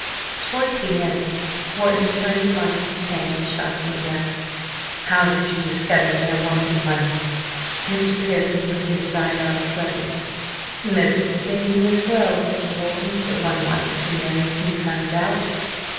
Towards the end Wharton turned upon his companion sharply, and asked: "How did you discover that I wanted money?" Mr. Pearson lifted his eyebrows pleasantly. "Most of the things in this world, Mr. Wharton, that one wants to know, can be found out.